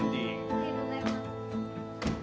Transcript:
ありがとうございます。